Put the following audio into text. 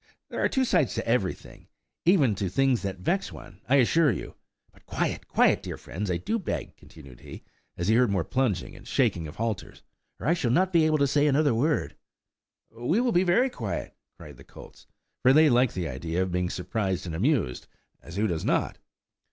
There are two sides to everything, even to things that vex one, I assure you! But, quiet!–quiet! dear friends, I do beg," continued he, as he heard more plunging and shaking of halters, "or I shall not be able to say another word!" "We will be quiet," cried the colts, for they liked the idea of being surprised and amused, as who does not?